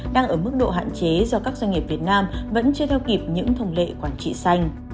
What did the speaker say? đang ở mức độ hạn chế do các doanh nghiệp việt nam vẫn chưa theo kịp những thông lệ quản trị xanh